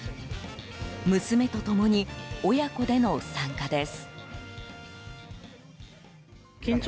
娘と共に、親子での参加です。